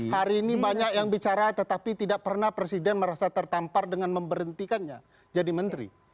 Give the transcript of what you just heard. hari ini banyak yang bicara tetapi tidak pernah presiden merasa tertampar dengan memberhentikannya jadi menteri